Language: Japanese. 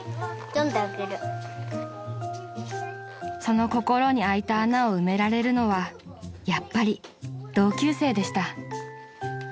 ［その心にあいた穴を埋められるのはやっぱり同級生でした］